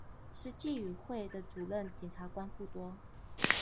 實際與會的主任檢察官不多